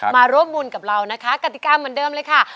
มาร่วมบุญกับเรานะคะกติกาเหมือนเดิมเลยค่ะ